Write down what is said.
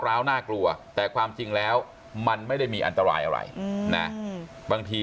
ร้าวน่ากลัวแต่ความจริงแล้วมันไม่ได้มีอันตรายอะไรนะบางที